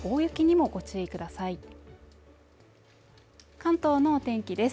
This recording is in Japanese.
関東のお天気です